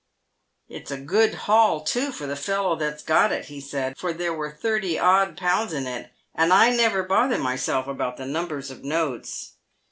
"It's a good haul, too, for the fellow that's got it," he said, "for there were thirty odd pounds in it, and I never bother myself about the numbers of notes.